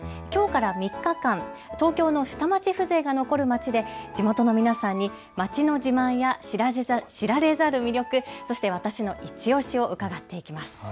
きょうから３日間、東京の下町風情が残る街で地元の皆さんに街の自慢や知られざる魅力、そして私のいちオシを伺っていきます。